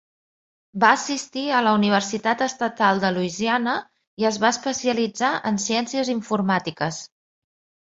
Va assistir a la Universitat Estatal de Louisiana i es va especialitzar en Ciències Informàtiques.